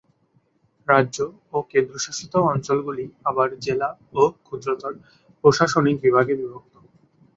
রাজ্য ও কেন্দ্রশাসিত অঞ্চলগুলি আবার জেলা ও ক্ষুদ্রতর প্রশাসনিক বিভাগে বিভক্ত।